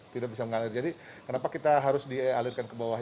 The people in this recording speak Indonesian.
tidak bisa mengalir jadi kenapa kita harus dialirkan ke bawah